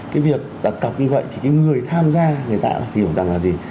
cái việc đặt cọc như vậy thì cái người tham gia người ta hiểu rằng là gì